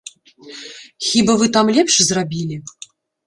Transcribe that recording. Хіба вы там лепш зрабілі?